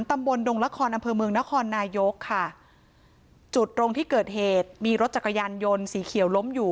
ตำบลดงละครอำเภอเมืองนครนายกค่ะจุดตรงที่เกิดเหตุมีรถจักรยานยนต์สีเขียวล้มอยู่